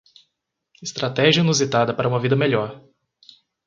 Estratégia inusitada para uma vida melhor